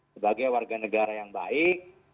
sebagai warga negara yang baik